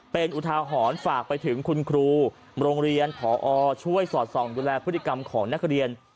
เป็นอุทาหรณ์ฝากไปถึงคุณครูโรงเรียนผอช่วยสอดส่องดูแลพฤติกรรมของนักเรียน